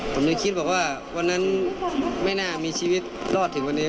ผมเลยคิดบอกว่าวันนั้นไม่น่ามีชีวิตรอดถึงวันนี้